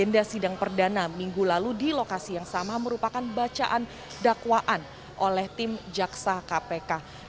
di saat ini di lokasi yang sama merupakan bacaan dakwaan oleh tim jaksa kpk